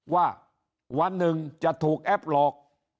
ว่าวันหนึ่งจะถูกแอปหลอก